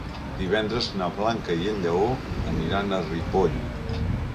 Divendres na Blanca i en Lleó aniran a Ripoll.